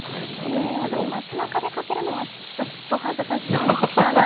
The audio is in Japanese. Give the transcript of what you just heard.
私、街なかでかけるのはちょっと恥ずかしいかな。